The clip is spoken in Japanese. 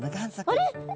あれ？